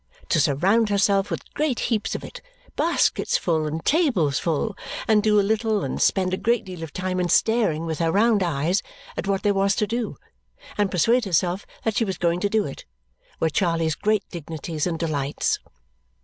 To surround herself with great heaps of it baskets full and tables full and do a little, and spend a great deal of time in staring with her round eyes at what there was to do, and persuade herself that she was going to do it, were Charley's great dignities and delights.